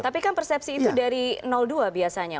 tapi kan persepsi itu dari dua biasanya